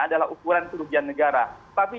adalah ukuran kerugian negara tapi